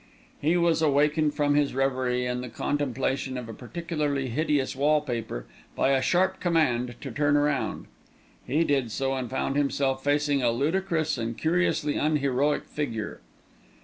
He was awakened from his reverie and the contemplation of a particularly hideous wallpaper, by a sharp command to turn round. He did so, and found himself facing a ludicrous and curiously unheroic figure.